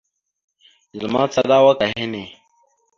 Zal macala awak a henne.